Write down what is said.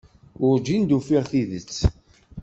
Werǧin d-ufin tidet.